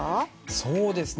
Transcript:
そうですね。